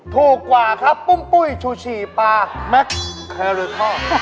ถูกกว่าครับปุ้งปุ้ยชูฉี่ปลาแม็กซ์แคโรทอล